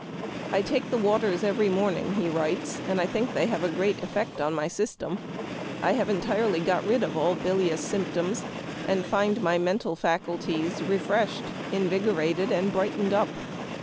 " I take the waters every morning," he writes, " and think they have a great effect on Memoir of Washington Irving. 283 my system. I have entirely got rid of all bil ious symptoms, and find my mental faculties refreshed, invigorated, and brightened up.